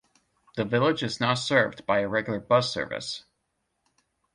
The village is not served by a regular bus service.